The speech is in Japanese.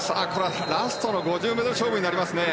ラストの５０ｍ勝負になりますね。